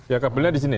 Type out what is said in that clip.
ya kabelnya di sini